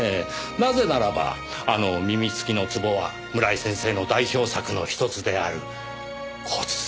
なぜならばあの耳付きの壺は村井先生の代表作のひとつである骨壺ですからねぇ。